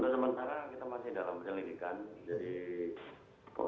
sementara kita masih dalam penyelidikan